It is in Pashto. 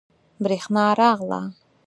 بریښنا راغله